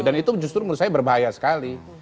dan itu justru menurut saya berbahaya sekali